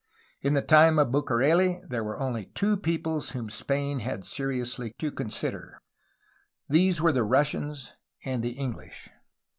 In the time of Bucareli there were only two peoples whom Spain had seriously to consider. These were the Russians and the EngHsh.